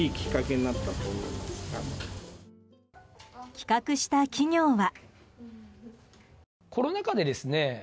企画した企業は。